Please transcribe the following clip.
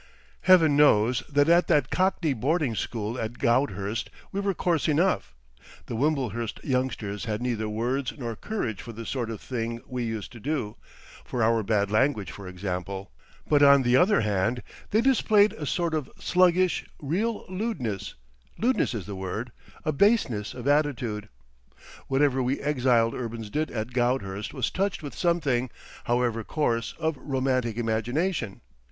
Heaven knows that at that cockney boarding school at Goudhurst we were coarse enough; the Wimblehurst youngsters had neither words nor courage for the sort of thing we used to do—for our bad language, for example; but, on the other hand, they displayed a sort of sluggish, real lewdness, lewdness is the word—a baseness of attitude. Whatever we exiled urbans did at Goudhurst was touched with something, however coarse, of romantic imagination.